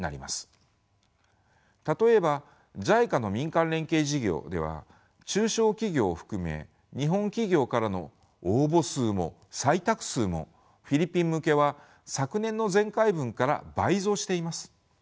例えばＪＩＣＡの民間連携事業では中小企業を含め日本企業からの応募数も採択数もフィリピン向けは昨年の前回分から倍増しています。